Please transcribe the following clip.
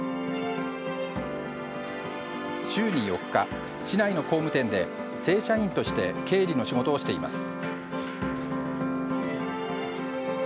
週に４日、市内の工務店で正社員として経理の仕事をしています。